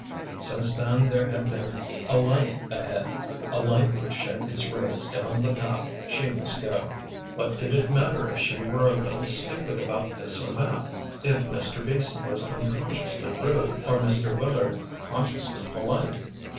Since then there had been a light ahead, a light which shed its rays down the path she must go. What did it matter if she were a little stupid about this or that, if Mr. Beason was unconsciously rude or Mr. Willard consciously polite?